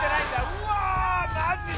うわマジで？